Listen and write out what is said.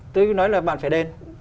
tôi nói là bạn phải đền